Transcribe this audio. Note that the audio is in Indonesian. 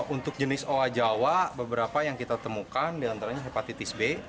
untuk jenis oa jawa beberapa yang kita temukan diantaranya hepatitis b